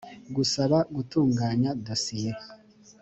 gusaba gutunganya dosiye